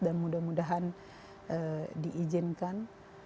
dan mudah mudahan diizinkan